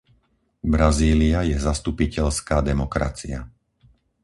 Brazília je zastupiteľská demokracia.